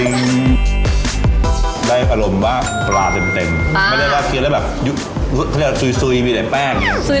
อืมมได้อารมณ์ว่าปลาเต็มไม่ได้ว่าเคลียร์แบบซุยมีในแป้ง